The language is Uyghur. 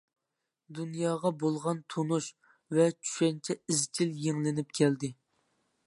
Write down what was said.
دۇنياغا بولغان تونۇش ۋە چۈشەنچە ئىزچىل يېڭىلىنىپ كەلدى.